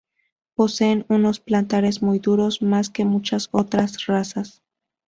Poseen unos plantares muy duros, más que muchas otras razas.